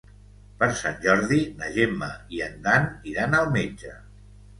Per Sant Jordi na Gemma i en Dan iran al metge.